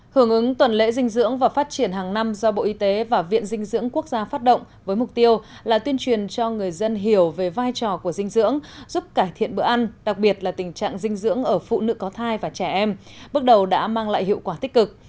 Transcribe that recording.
hưởng ứng tuần lễ dinh dưỡng và phát triển hàng năm do bộ y tế và viện dinh dưỡng quốc gia phát động với mục tiêu là tuyên truyền cho người dân hiểu về vai trò của dinh dưỡng giúp cải thiện bữa ăn đặc biệt là tình trạng dinh dưỡng ở phụ nữ có thai và trẻ em bước đầu đã mang lại hiệu quả tích cực